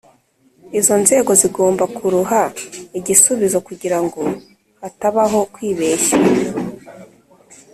Izo nzego zigomba kuruha igisubizo kugira ngo hatabaho kwibeshya